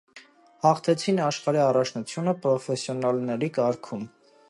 Հաղթեցին աշխարհի առաջնությունը պրոֆեսիոնալների կարգում։